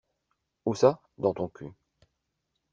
Où ça? Dans ton cul!